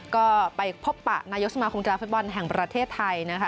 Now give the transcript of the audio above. ก็ไปพบปะนายกสมาคมกีฬาฟุตบอลแห่งประเทศไทยนะคะ